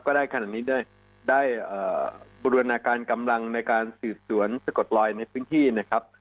ได้ขนาดนี้ได้บูรณาการกำลังในการสืบสวนสะกดลอยในพื้นที่นะครับ